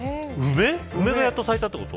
梅がやっと咲いたってこと。